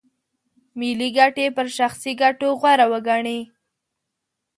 ملي ګټې پر شخصي ګټو غوره وګڼي.